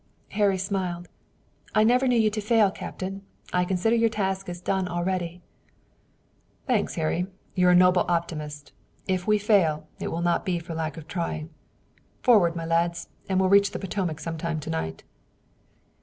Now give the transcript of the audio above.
Harry smiled. "I never knew you to fail, Captain. I consider your task as done already." "Thanks, Harry. You're a noble optimist. If we fail, it will not be for lack of trying. Forward, my lads, and we'll reach the Potomac some time to night."